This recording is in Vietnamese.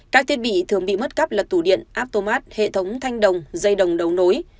các thiết bị thường bị mất cắp là tủ điện aptomat hệ thống thanh đồng dây đồng đấu nối